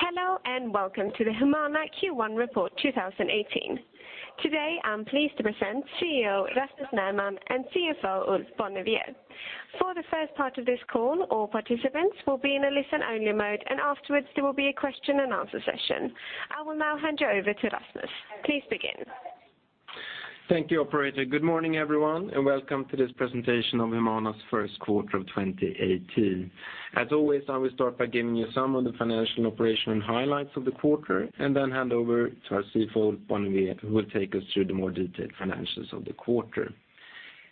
Hello, welcome to the Humana Q1 Report 2018. Today, I'm pleased to present CEO Rasmus Nerman and CFO Ulf Bonnevier. For the first part of this call, all participants will be in a listen-only mode. Afterwards, there will be a question and answer session. I will now hand you over to Rasmus. Please begin. Thank you, operator. Good morning, everyone, welcome to this presentation of Humana's first quarter of 2018. As always, I will start by giving you some of the financial and operational highlights of the quarter. Then hand over to our CFO, Ulf Bonnevier, who will take us through the more detailed financials of the quarter.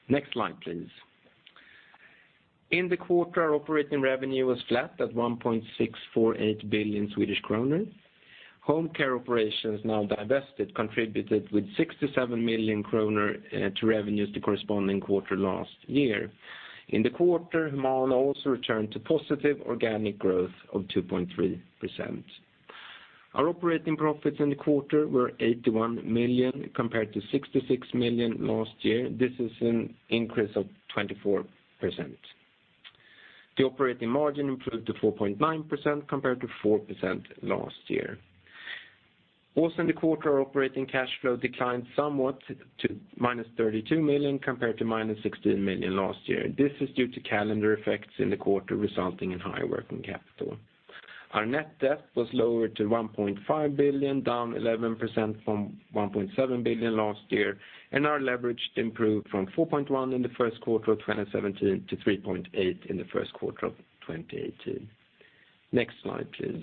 Next slide, please. In the quarter, our operating revenue was flat at 1.648 billion Swedish kronor. Home care operations, now divested, contributed with 67 million kronor to revenues the corresponding quarter last year. In the quarter, Humana also returned to positive organic growth of 2.3%. Our operating profits in the quarter were 81 million, compared to 66 million last year. This is an increase of 24%. The operating margin improved to 4.9%, compared to 4% last year. In the quarter, our operating cash flow declined somewhat to minus 32 million, compared to minus 16 million last year. This is due to calendar effects in the quarter resulting in higher working capital. Our net debt was lowered to 1.5 billion, down 11% from 1.7 billion last year. Our leverage improved from 4.1 in the first quarter of 2017 to 3.8 in the first quarter of 2018. Next slide, please.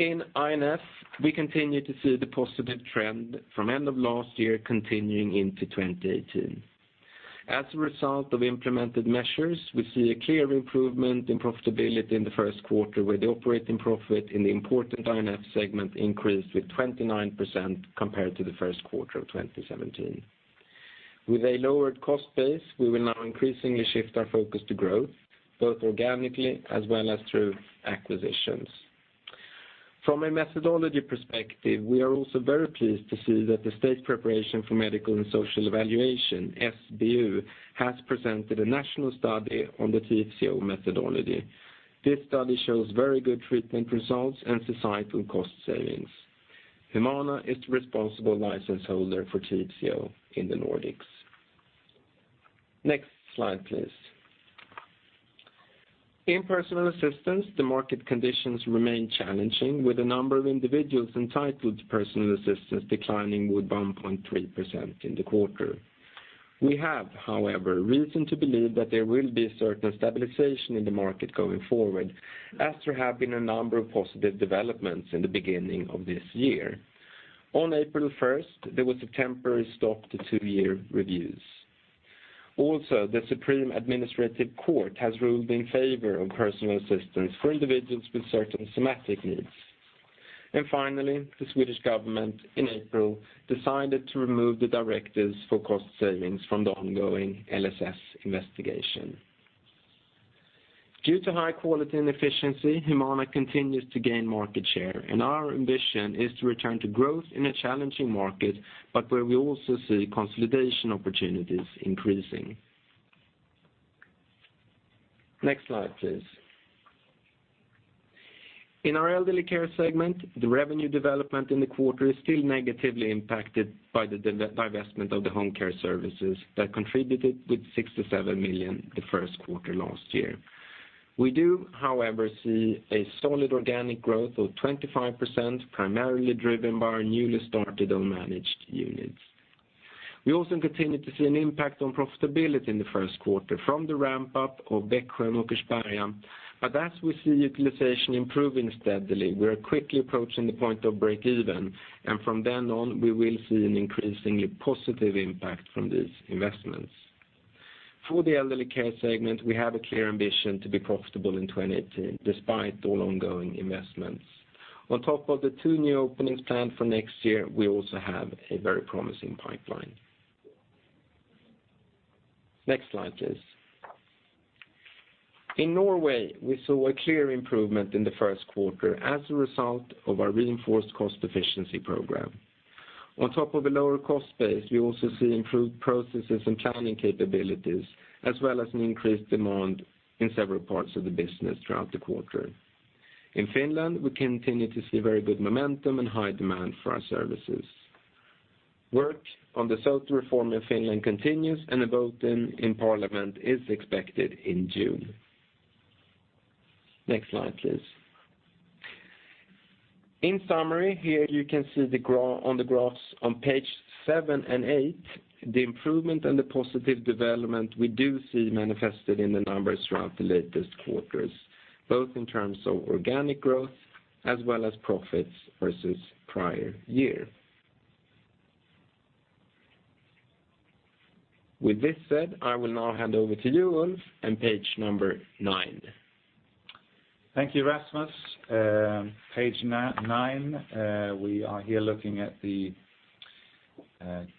In I&F, we continue to see the positive trend from end of last year continuing into 2018. As a result of implemented measures, we see a clear improvement in profitability in the first quarter, with the operating profit in the important I&F segment increased with 29% compared to the first quarter of 2017. With a lowered cost base, we will now increasingly shift our focus to growth, both organically as well as through acquisitions. From a methodology perspective, we are also very pleased to see that the Swedish Agency for Health Technology Assessment and Assessment of Social Services, SBU, has presented a national study on the Tivzo methodology. This study shows very good treatment results and societal cost savings. Humana is the responsible license holder for Tivzo in the Nordics. Next slide, please. In personal assistance, the market conditions remain challenging with the number of individuals entitled to personal assistance declining with 1.3% in the quarter. We have, however, reason to believe that there will be a certain stabilization in the market going forward as there have been a number of positive developments in the beginning of this year. On April 1st, there was a temporary stop to two-year reviews. The Supreme Administrative Court has ruled in favor of personal assistance for individuals with certain somatic needs. Finally, the Swedish government in April decided to remove the directives for cost savings from the ongoing LSS investigation. Due to high quality and efficiency, Humana continues to gain market share, and our ambition is to return to growth in a challenging market, but where we also see consolidation opportunities increasing. Next slide, please. In our elderly care segment, the revenue development in the quarter is still negatively impacted by the divestment of the home care services that contributed with 67 million the first quarter last year. We do, however, see a solid organic growth of 25%, primarily driven by our newly started own managed units. We also continue to see an impact on profitability in the first quarter from the ramp-up of Bäcksjön and Åkersberga, but as we see utilization improving steadily, we are quickly approaching the point of break even, and from then on, we will see an increasingly positive impact from these investments. For the elderly care segment, we have a clear ambition to be profitable in 2018, despite all ongoing investments. On top of the two new openings planned for next year, we also have a very promising pipeline. Next slide, please. In Norway, we saw a clear improvement in the first quarter as a result of our reinforced cost efficiency program. On top of a lower cost base, we also see improved processes and planning capabilities, as well as an increased demand in several parts of the business throughout the quarter. In Finland, we continue to see very good momentum and high demand for our services. Work on the SOTE reform in Finland continues, and a vote in parliament is expected in June. Next slide, please. In summary, here you can see on the graphs on page seven and eight, the improvement and the positive development we do see manifested in the numbers throughout the latest quarters, both in terms of organic growth as well as profits versus prior year. With this said, I will now hand over to you, Ulf, and page number nine. Thank you, Rasmus. Page nine. We are here looking at the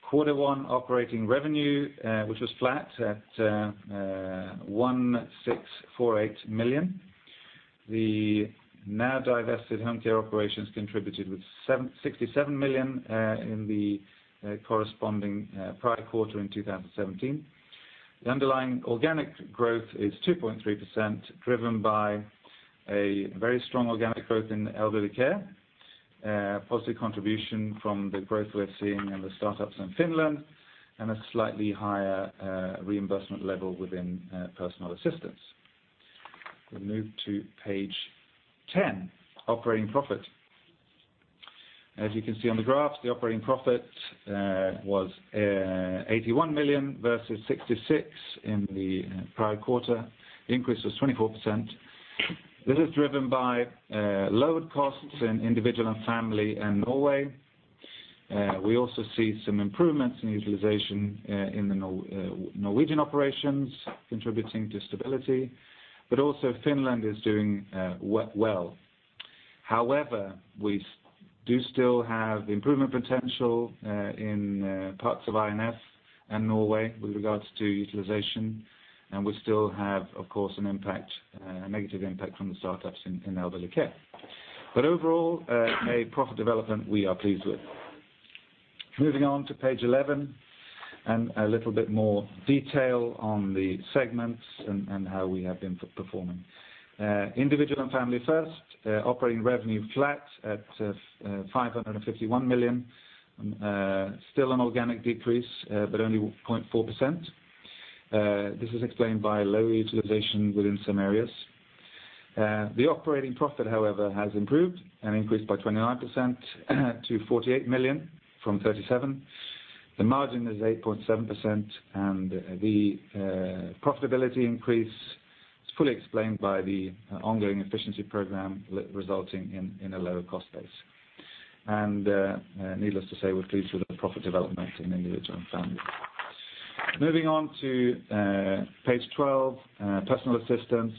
quarter one operating revenue, which was flat at 1,648 million. The now-divested home care operations contributed with 67 million in the corresponding prior quarter in 2017. The underlying organic growth is 2.3%, driven by a very strong organic growth in elderly care, positive contribution from the growth we're seeing in the startups in Finland, and a slightly higher reimbursement level within personal assistance. We move to page 10, operating profit. As you can see on the graph, the operating profit was 81 million versus 66 million in the prior quarter. The increase was 24%. This is driven by lower costs in individual and family in Norway. We also see some improvements in utilization in the Norwegian operations contributing to stability, but also Finland is doing well. However, we do still have improvement potential in parts of I&F and Norway with regards to utilization, and we still have, of course, a negative impact from the startups in Elderly Care. But overall, a profit development we are pleased with. Moving on to page 11, and a little bit more detail on the segments and how we have been performing. Individual and Family first, operating revenue flat at 551 million. Still an organic decrease, but only 0.4%. This is explained by low utilization within some areas. The operating profit, however, has improved and increased by 29% to 48 million from 37 million. The margin is 8.7% and the profitability increase is fully explained by the ongoing efficiency program resulting in a lower cost base. Needless to say, we are pleased with the profit development in Individual and Family. Moving on to page 12, Personal Assistance.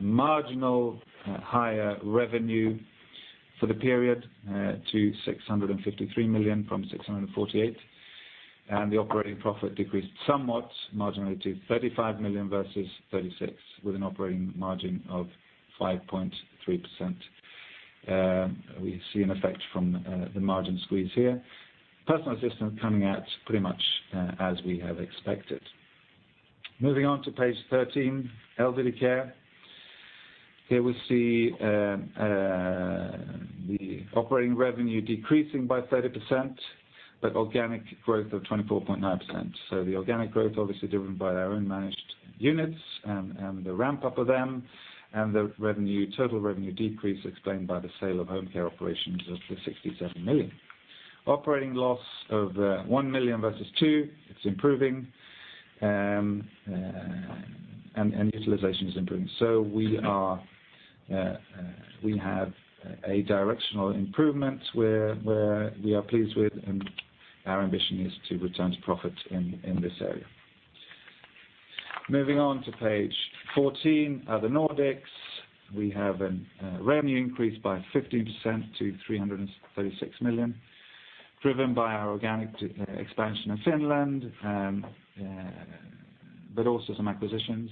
Marginal higher revenue for the period to 653 million from 648 million. The operating profit decreased somewhat marginally to 35 million versus 36 million, with an operating margin of 5.3%. We see an effect from the margin squeeze here. Personal Assistance coming out pretty much as we have expected. Moving on to page 13, Elderly Care. Here we see the operating revenue decreasing by 30%, but organic growth of 24.9%. The organic growth obviously driven by our own managed units and the ramp-up of them, and the total revenue decrease explained by the sale of home care operations of 67 million. Operating loss of 1 million versus 2 million. It is improving, and utilization is improving. So we have a directional improvement where we are pleased with, and our ambition is to return to profit in this area. Moving on to page 14, Other Nordics. We have a revenue increase by 15% to 336 million, driven by our organic expansion in Finland, but also some acquisitions.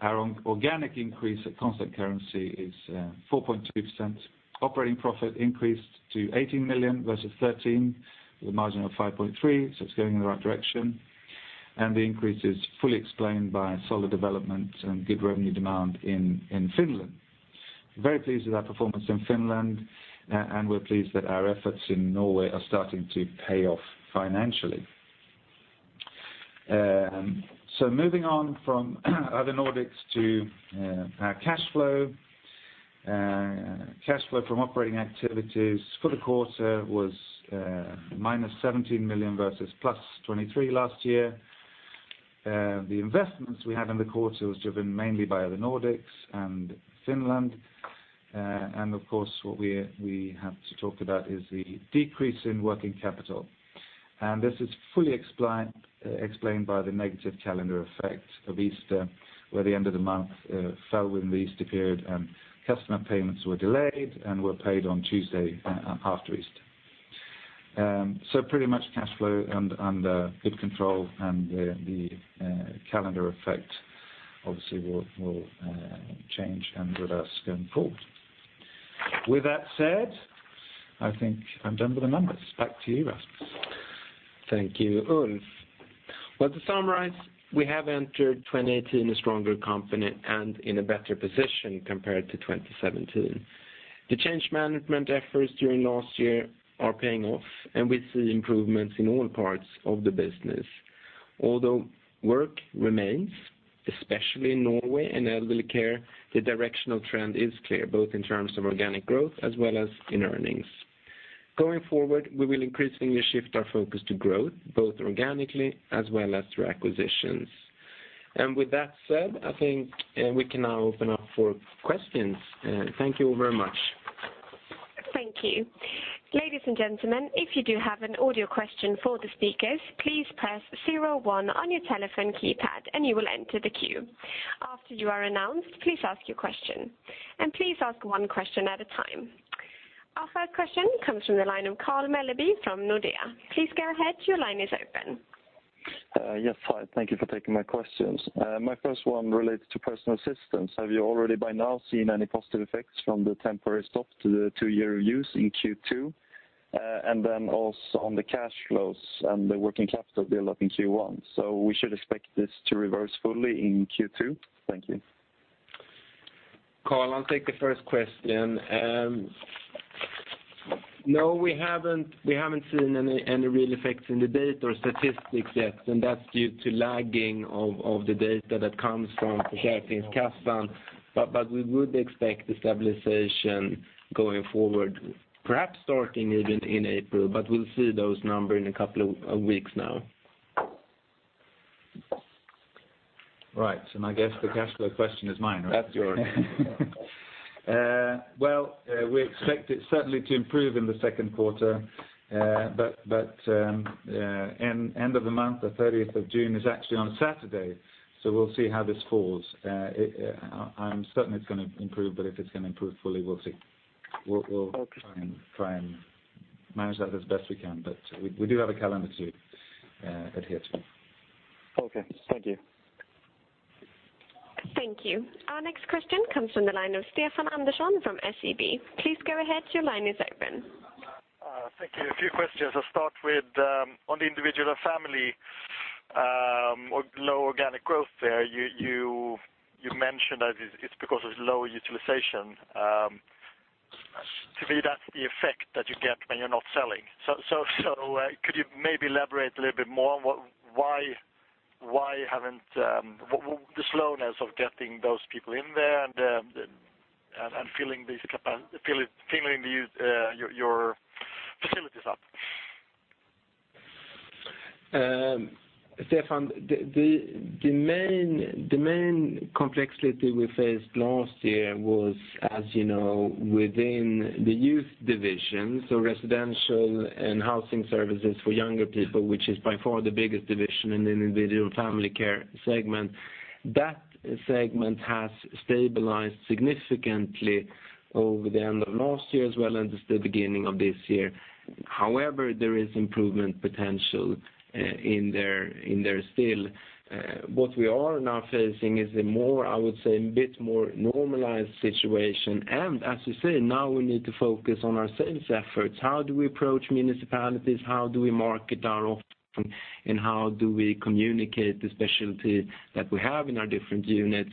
Our organic increase at constant currency is 4.2%. Operating profit increased to 18 million versus 13 million, with a margin of 5.3%. So it is going in the right direction, and the increase is fully explained by solid development and good revenue demand in Finland. Very pleased with our performance in Finland, and we are pleased that our efforts in Norway are starting to pay off financially. So moving on from Other Nordics to our cash flow. Cash flow from operating activities for the quarter was minus 17 million versus plus 23 million last year. The investments we have in the quarter was driven mainly by Other Nordics and Finland. And of course, what we have to talk about is the decrease in working capital. This is fully explained by the negative calendar effect of Easter, where the end of the month fell within the Easter period, and customer payments were delayed and were paid on Tuesday after Easter. So pretty much cash flow under good control and the calendar effect obviously will change and with us going forward. With that said, I think I am done with the numbers. Back to you, Rasmus. Thank you, Ulf. Well, to summarize, we have entered 2018 a stronger company and in a better position compared to 2017. The change management efforts during last year are paying off, and we see improvements in all parts of the business. Although work remains, especially in Norway and elderly care, the directional trend is clear, both in terms of organic growth as well as in earnings. Going forward, we will increasingly shift our focus to growth, both organically as well as through acquisitions. With that said, I think we can now open up for questions. Thank you all very much. Thank you. Ladies and gentlemen, if you do have an audio question for the speakers, please press 01 on your telephone keypad and you will enter the queue. After you are announced, please ask your question. Please ask one question at a time. Our first question comes from the line of Carl Mellby from Nordea. Please go ahead, your line is open. Yes. Hi, thank you for taking my questions. My first one relates to personal assistance. Have you already by now seen any positive effects from the temporary stop to the two-year reviews in Q2? Then also on the cash flows and the working capital buildup in Q1. We should expect this to reverse fully in Q2? Thank you. Carl, I'll take the first question. No, we haven't seen any real effects in the data or statistics yet, and that's due to lagging of the data that comes from Stockholms Kassan. We would expect stabilization going forward, perhaps starting even in April. We'll see those numbers in a couple of weeks now. Right. I guess the cash flow question is mine, right? That's yours. Well, we expect it certainly to improve in the second quarter. End of the month, the 30th of June is actually on Saturday, so we'll see how this falls. I'm certain it's going to improve, but if it's going to improve fully, we'll see. Okay. We'll try and manage that as best we can. We do have a calendar to adhere to. Okay. Thank you. Thank you. Our next question comes from the line of Stefan Andersson from SEB. Please go ahead, your line is open. Thank you. A few questions. I'll start with, on the Individual & Family, low organic growth there. You mentioned that it's because of low utilization. To me, that's the effect that you get when you're not selling. Could you maybe elaborate a little bit more on why the slowness of getting those people in there and filling these, your facilities up? Stefan, the main complexity we faced last year was, as you know, within the youth division, residential and housing services for younger people, which is by far the biggest division in the Individual & Family care segment. That segment has stabilized significantly over the end of last year, as well as the beginning of this year. However, there is improvement potential in there still. What we are now facing is a more, I would say, a bit more normalized situation. As you say, now we need to focus on our sales efforts. How do we approach municipalities? How do we market our offering, and how do we communicate the specialty that we have in our different units?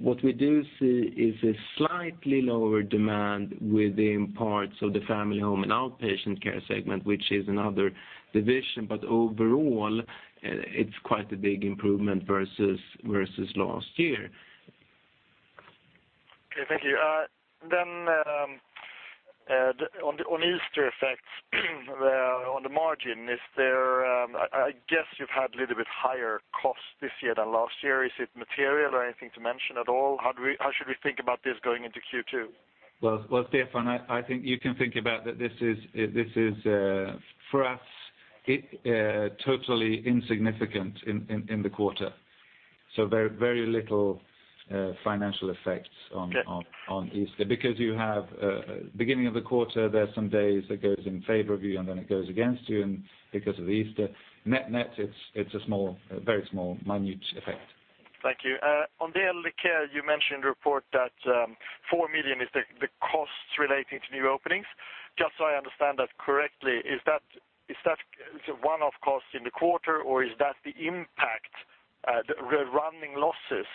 What we do see is a slightly lower demand within parts of the family home and outpatient care segment, which is another division. Overall, it's quite a big improvement versus last year. Okay, thank you. On Easter effects on the margin, I guess you've had a little bit higher costs this year than last year. Is it material or anything to mention at all? How should we think about this going into Q2? Stefan, I think you can think about that this is, for us, totally insignificant in the quarter. Very little financial effects. Okay Easter, because you have beginning of the quarter, there's some days that goes in favor of you, and then it goes against you and because of Easter. Net, it's a very small minute effect. Thank you. On the elderly care, you mentioned in the report that 4 million is the costs relating to new openings. Just so I understand that correctly, is that one-off cost in the quarter, or is that the impact, the running losses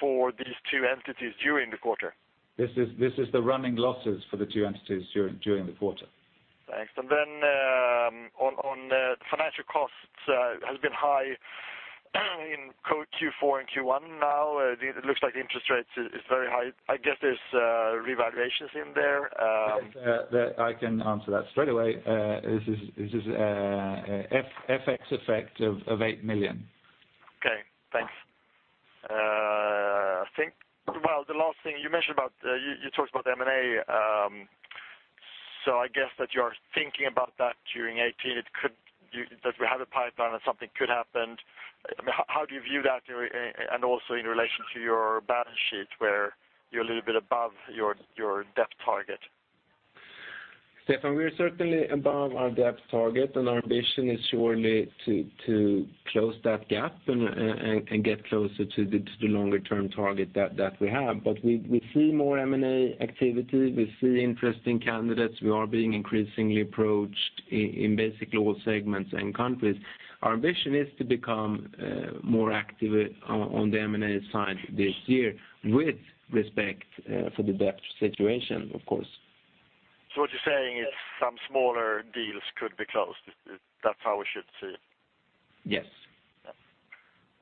for these two entities during the quarter? This is the running losses for the two entities during the quarter. Thanks. On the financial costs has been high in Q4 and Q1 now. It looks like interest rates is very high. I guess there's revaluations in there. Yes. That I can answer that straight away. This is a FX effect of 8 million. Okay. Thanks. I think, well, the last thing you mentioned about, you talked about M&A. I guess that you're thinking about that during 2018. That we have a pipeline and something could happen. How do you view that, and also in relation to your balance sheet where you're a little bit above your debt target? Stefan, we are certainly above our debt target, and our ambition is surely to close that gap and get closer to the longer-term target that we have. We see more M&A activity. We see interesting candidates. We are being increasingly approached in basically all segments and countries. Our ambition is to become more active on the M&A side this year with respect for the debt situation, of course. What you're saying is some smaller deals could be closed. That's how we should see it? Yes.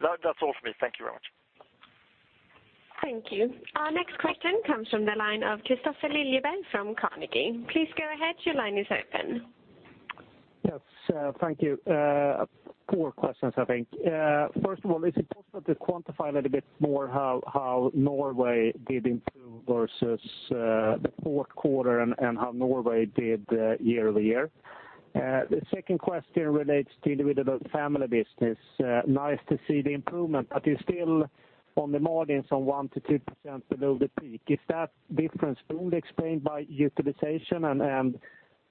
That's all from me. Thank you very much. Thank you. Our next question comes from the line of Kristofer Liljeberg from Carnegie. Please go ahead, your line is open. Yes, thank you. Four questions, I think. First of all, is it possible to quantify a little bit more how Norway did improve versus the fourth quarter and how Norway did year-over-year? The second question relates to the Individual & Family business. Nice to see the improvement, but you're still on the margins from 1%-2% below the peak. Is that difference fully explained by utilization, and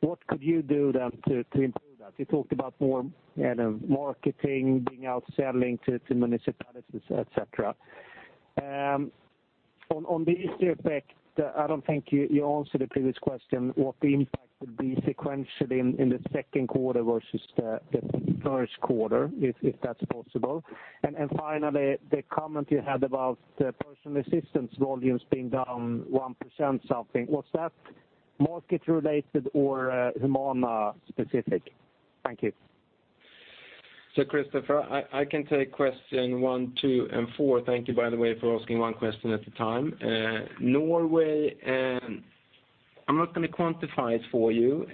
what could you do then to improve that? You talked about more marketing, being out selling to municipalities, et cetera. On the Easter effect, I don't think you answered the previous question, what the impact would be sequentially in the second quarter versus the first quarter, if that's possible. Finally, the comment you had about personal assistance volumes being down 1% something. Was that market related or Humana specific? Thank you. Kristofer, I can take question one, two, and four. Thank you by the way for asking one question at a time. Norway, I'm not going to quantify it for you.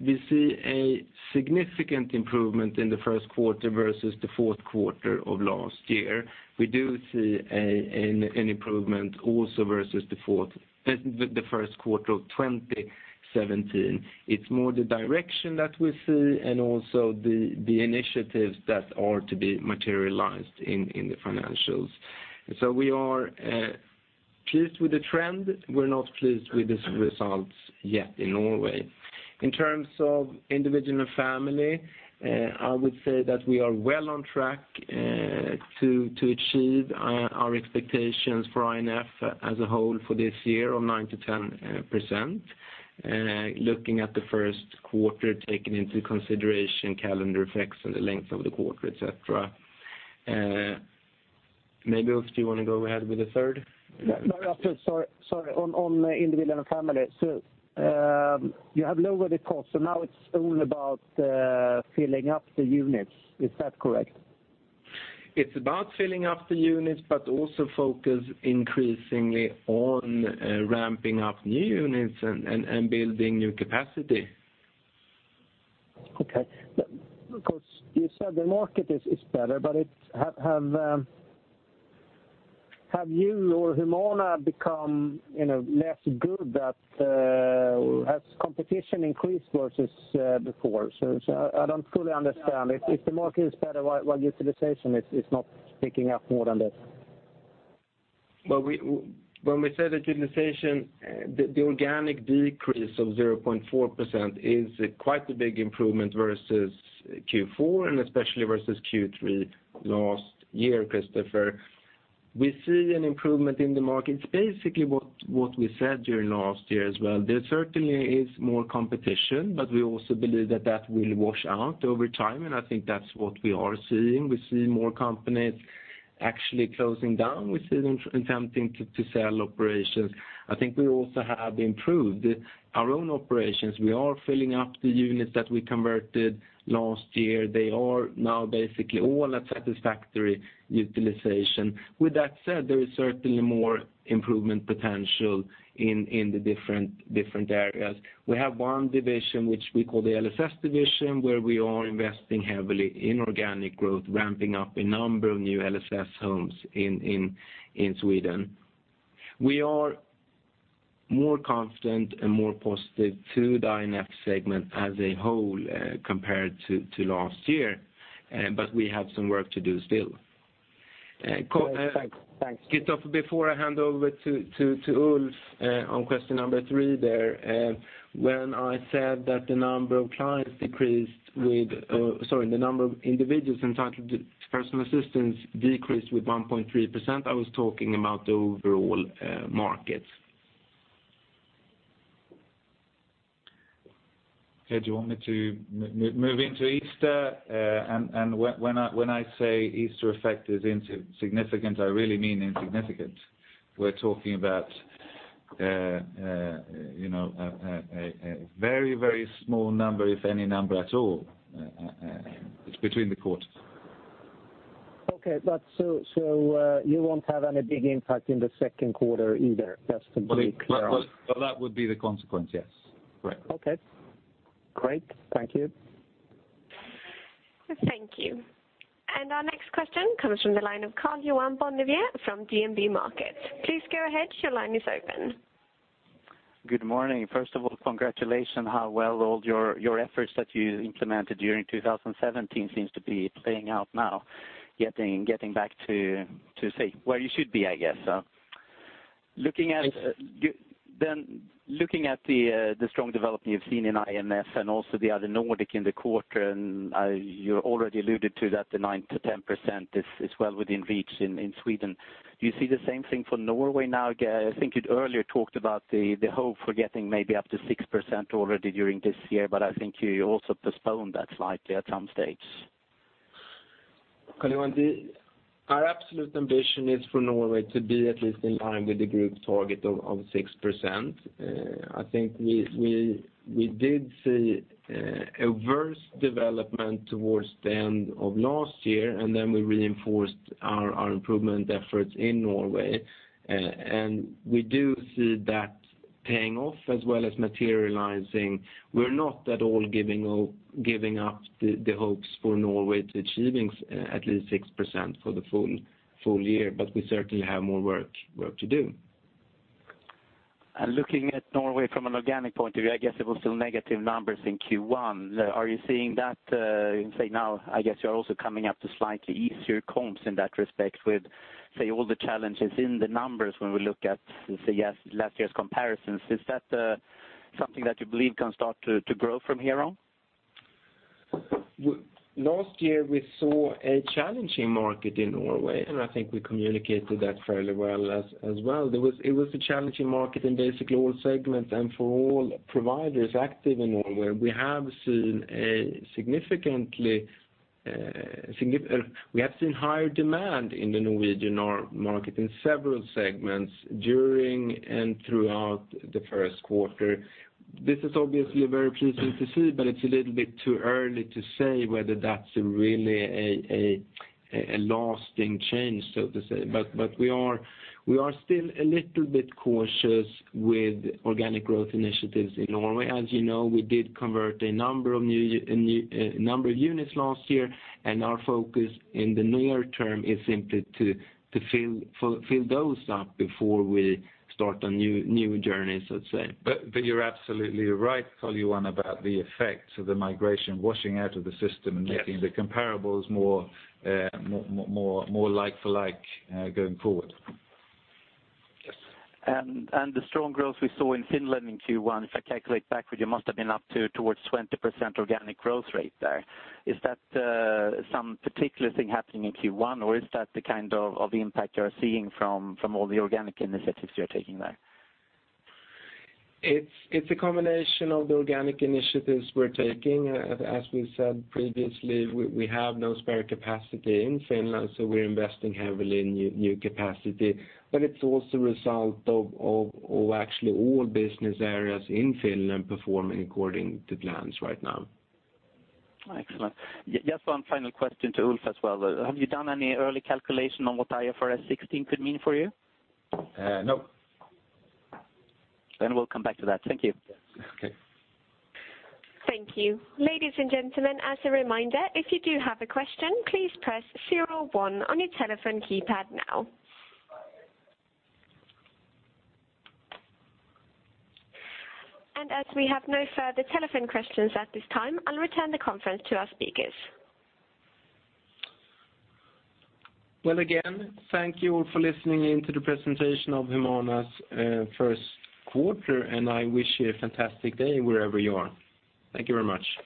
We see a significant improvement in the first quarter versus the fourth quarter of last year. We do see an improvement also versus the first quarter of 2017. It's more the direction that we see and also the initiatives that are to be materialized in the financials. We are pleased with the trend. We're not pleased with the results yet in Norway. In terms of Individual & Family, I would say that we are well on track to achieve our expectations for I&F as a whole for this year of 9%-10%. Looking at the first quarter, taking into consideration calendar effects and the length of the quarter, et cetera. Maybe Ulf, do you want to go ahead with the third? No, sorry. On Individual and Family. You have lowered the cost, now it's all about filling up the units. Is that correct? It's about filling up the units, also focus increasingly on ramping up new units and building new capacity. Of course, you said the market is better, have you or Humana become less good? Has competition increased versus before? I don't fully understand. If the market is better, why utilization is not picking up more than that? When we say the utilization, the organic decrease of 0.4% is quite a big improvement versus Q4 and especially versus Q3 last year, Kristofer. We see an improvement in the market. It's basically what we said during last year as well. There certainly is more competition, we also believe that that will wash out over time, I think that's what we are seeing. We're seeing more companies actually closing down. We see them attempting to sell operations. I think we also have improved our own operations. We are filling up the units that we converted last year. They are now basically all at satisfactory utilization. With that said, there is certainly more improvement potential in the different areas. We have one division which we call the LSS division, where we are investing heavily in organic growth, ramping up a number of new LSS homes in Sweden. We are more confident and more positive to the I&F segment as a whole compared to last year. We have some work to do still. Thanks. Kristofer, before I hand over to Ulf on question number 3 there. When I said that the number of individuals entitled to personal assistance decreased with 1.3%, I was talking about the overall market. Okay. Do you want me to move into Easter? When I say Easter effect is insignificant, I really mean insignificant. We're talking about a very small number, if any number at all. It's between the quarters. Okay. You won't have any big impact in the second quarter either, just to be clear on. That would be the consequence, yes. Correct. Okay, great. Thank you. Thank you. Our next question comes from the line of Karl-Johan Bonnevier from DNB Markets. Please go ahead, your line is open. Good morning. First of all, congratulations how well all your efforts that you implemented during 2017 seems to be playing out now, getting back to, say, where you should be, I guess. Looking at the strong development you've seen in I&F and also the other Nordic in the quarter, and you already alluded to that the 9%-10% is well within reach in Sweden. Do you see the same thing for Norway now? I think you earlier talked about the hope for getting maybe up to 6% already during this year, but I think you also postponed that slightly at some stage. Karl-Johan, our absolute ambition is for Norway to be at least in line with the group target of 6%. I think we did see a worse development towards the end of last year, and then we reinforced our improvement efforts in Norway. We do see that paying off as well as materializing. We're not at all giving up the hopes for Norway to achieving at least 6% for the full year, but we certainly have more work to do. Looking at Norway from an organic point of view, I guess it was still negative numbers in Q1. Are you seeing that, say now, I guess you are also coming up to slightly easier comps in that respect with, say, all the challenges in the numbers when we look at, say, last year's comparisons. Is that something that you believe can start to grow from here on? Last year we saw a challenging market in Norway, and I think we communicated that fairly well as well. It was a challenging market in basically all segments and for all providers active in Norway. We have seen higher demand in the Norwegian market in several segments during and throughout the first quarter. This is obviously very pleasing to see, but it's a little bit too early to say whether that's really a lasting change, so to say. We are still a little bit cautious with organic growth initiatives in Norway. As you know, we did convert a number of units last year, and our focus in the near term is simply to fill those up before we start a new journey, so to say. You're absolutely right, Carl Johan, about the effects of the migration washing out of the system- Yes making the comparables more like for like going forward. Yes. The strong growth we saw in Finland in Q1, if I calculate backward, it must have been up to towards 20% organic growth rate there. Is that some particular thing happening in Q1, or is that the kind of impact you're seeing from all the organic initiatives you're taking there? It's a combination of the organic initiatives we're taking. As we said previously, we have no spare capacity in Finland, so we're investing heavily in new capacity. It's also a result of actually all business areas in Finland performing according to plans right now. Excellent. Just one final question to Ulf as well. Have you done any early calculation on what IFRS 16 could mean for you? No. We'll come back to that. Thank you. Okay. Thank you. Ladies and gentlemen, as a reminder, if you do have a question, please press 01 on your telephone keypad now. As we have no further telephone questions at this time, I'll return the conference to our speakers. Well, again, thank you all for listening in to the presentation of Humana's first quarter, and I wish you a fantastic day wherever you are. Thank you very much.